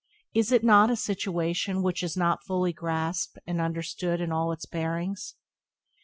Is it not a situation which is not fully grasped and understood in all it bearings?